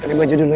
ini baju dulu ya